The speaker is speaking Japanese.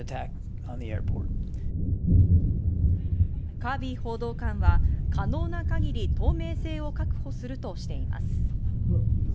カービー報道官は可能な限り透明性を確保するとしています。